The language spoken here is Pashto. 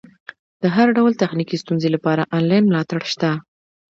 د هر ډول تخنیکي ستونزې لپاره انلاین ملاتړ شته.